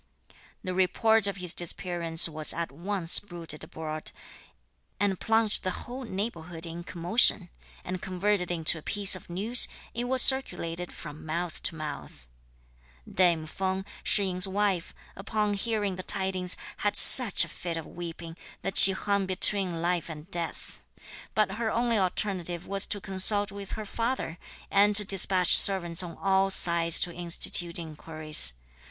The report of his disappearance was at once bruited abroad, and plunged the whole neighbourhood in commotion; and converted into a piece of news, it was circulated from mouth to mouth. Dame Feng, Shih yin's wife, upon hearing the tidings, had such a fit of weeping that she hung between life and death; but her only alternative was to consult with her father, and to despatch servants on all sides to institute inquiries.